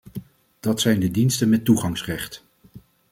Dat zijn de diensten met toegangsrecht.